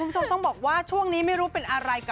สวัสดีค่ะสวัสดีค่ะ